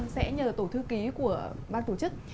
sẽ nhờ tổ thư ký của ban tổ chức